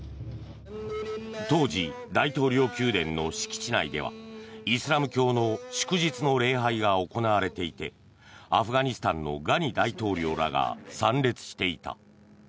当時、大統領宮殿の敷地内ではイスラム教の祝日の礼拝が行われていてアフガニスタンのガニ大統領らが参列していた。